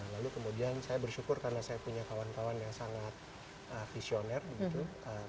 lalu kemudian saya bersyukur karena saya punya kawan kawan yang sangat visioner gitu